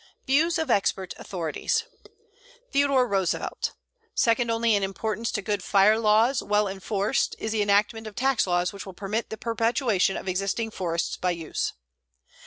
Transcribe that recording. VIEWS OF EXPERT AUTHORITIES THEODORE ROOSEVELT: Second only in importance to good fire laws well enforced is the enactment of tax laws which will permit the perpetuation of existing forests by use.